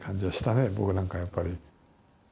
僕なんかやっぱり。